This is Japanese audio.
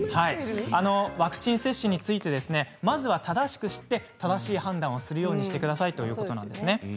ワクチン接種についてまずは正しく知って正しい判断をするようにしてくださいということです。